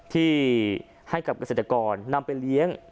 ที่ให้กับเกษตรกรนำไปเลี้ยง